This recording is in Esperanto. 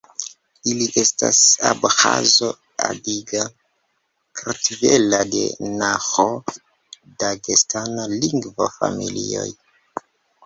Ili estas la Abĥazo-adiga, Kartvela, kaj Naĥo-Dagestana lingvo-familioj.